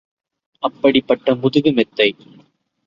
அப்படிப்பட்ட முதுகு மெத்தை.